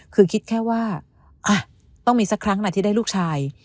คือคิดแค่ว่าต้องมีสักครั้งนะที่ได้ลูกชาย